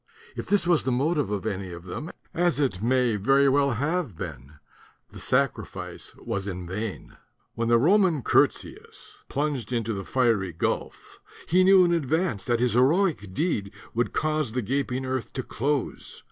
If this was the motive of any of them, as it may very well have been, the sacrifice was in vain. When the Roman Curtius plunged into the fiery gulf, he knew in advance that his heroic deed would cause the gaping earth to close.